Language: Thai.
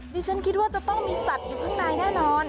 ดิฉันคิดว่าจะต้องมีสัตว์อยู่ข้างในแน่นอน